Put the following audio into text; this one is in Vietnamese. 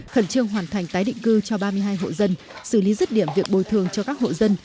khẩn trương hoàn thành tái định cư cho ba mươi hai hộ dân xử lý rứt điểm việc bồi thường cho các hộ dân